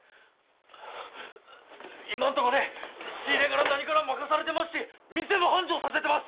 今んとこで仕入れから何から任されてますし店も繁盛させてます